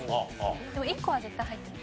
でも１個は絶対入ってると。